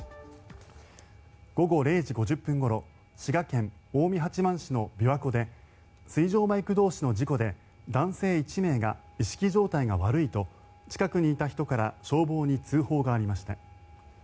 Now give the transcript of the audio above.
午後０時５０分ごろ滋賀県近江八幡市の琵琶湖で水上バイク同士の事故で男性１名が意識状態が悪いと近くにいた人から消防に通報がありました。